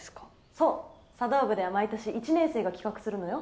そう茶道部では毎年１年生が企画するのよ。